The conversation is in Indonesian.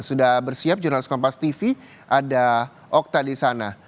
sudah bersiap jurnalis kompas tv ada okta di sana